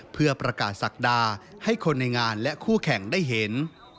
เพื่อประกาศศักดาให้คนในงานและคู่แข่งได้เห็น